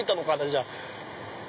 じゃあ。